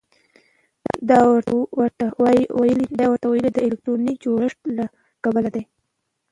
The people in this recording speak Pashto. دا ورته والی د الکتروني جوړښت له کبله دی.